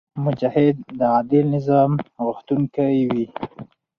مجاهد د عادل نظام غوښتونکی وي.